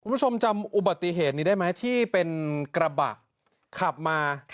คุณผู้ชมจำอุบัติเหตุนี้ได้ไหมที่เป็นกระบะขับมา